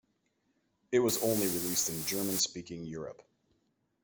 It was only released in German speaking Europe.